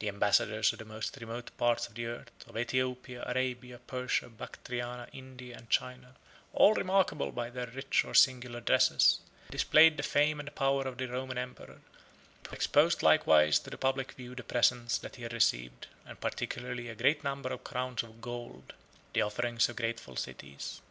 The ambassadors of the most remote parts of the earth, of Æthiopia, Arabia, Persia, Bactriana, India, and China, all remarkable by their rich or singular dresses, displayed the fame and power of the Roman emperor, who exposed likewise to the public view the presents that he had received, and particularly a great number of crowns of gold, the offerings of grateful cities.